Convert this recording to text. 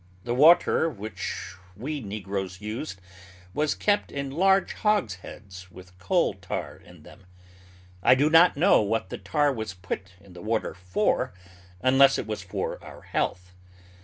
The water we negroes used was kept in large hogsheads with coal tar in them; I do not know what the tar was put in the water for unless it was for our health.